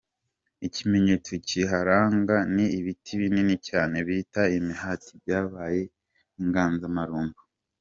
Ikimenyetso kiharanga ni ibiti binini cyane bita imihati byabaye inganzamarumbo.